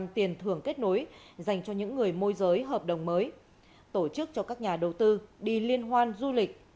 tiền thưởng kết nối dành cho những người môi giới hợp đồng mới tổ chức cho các nhà đầu tư đi liên hoan du lịch